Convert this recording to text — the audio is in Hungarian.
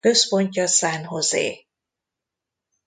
Központja San José.